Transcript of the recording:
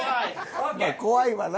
怖いわな。